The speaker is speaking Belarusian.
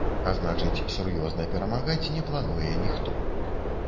А значыць, сур'ёзна перамагаць не плануе ніхто.